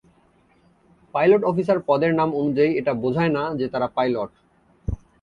Pilot officer পদের নাম অনুযায়ী এটা বোঝায় না যে তারা পাইলট।